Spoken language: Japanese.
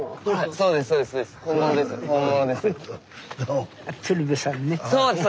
そうですそうです。